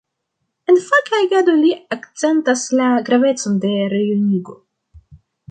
En faka agado li akcentas la gravecon de rejunigo.